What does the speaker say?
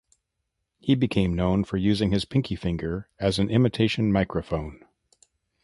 He became known for using his pinky finger as an imitation microphone.